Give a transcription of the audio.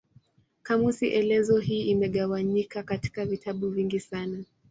Kamusi elezo hii imegawanyika katika vitabu vingi sana.